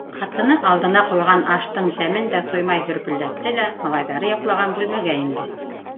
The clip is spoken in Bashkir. Ҡатыны алдына ҡуйған аштың тәмен дә тоймай һөрпөлдәтте лә, малайҙары йоҡлаған бүлмәгә инде.